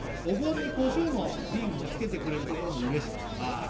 「お盆にコショウの瓶をつけてくれるところも嬉しく」